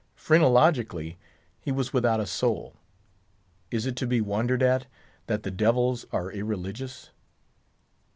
Phrenologically, he was without a soul. Is it to be wondered at, that the devils are irreligious?